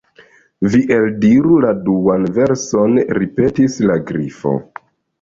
"Vi eldiru la duan verson," ripetis la Grifo.